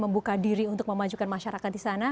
membuka diri untuk memajukan masyarakat disana